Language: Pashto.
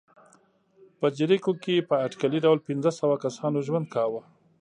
په جریکو کې په اټکلي ډول پنځه سوه کسانو ژوند کاوه.